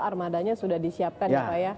armadanya sudah disiapkan ya pak ya